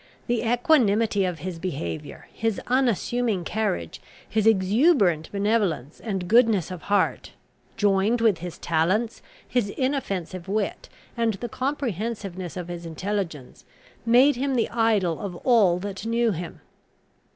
The equanimity of his behaviour, his unassuming carriage, his exuberant benevolence and goodness of heart, joined with his talents, his inoffensive wit, and the comprehensiveness of his intelligence, made him the idol of all that knew him.